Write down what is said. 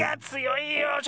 つよいよ。